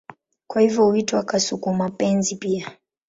Kwa hivyo huitwa kasuku-mapenzi pia.